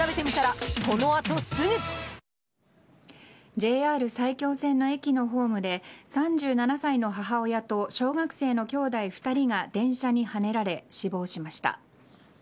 ＪＲ埼京線の駅のホームで３７歳の母親と小学生の兄弟２人が電車にはねられ死亡しました。